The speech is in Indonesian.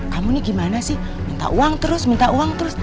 kamu nih gimana sih minta uang terus minta uang terus